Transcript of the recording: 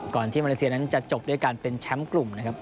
ที่มาเลเซียนั้นจะจบด้วยการเป็นแชมป์กลุ่มนะครับ